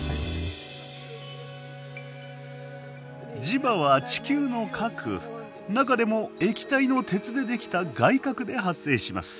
磁場は地球の核中でも液体の鉄で出来た外核で発生します。